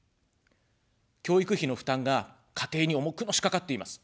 教育費の負担が家庭に重くのしかかっています。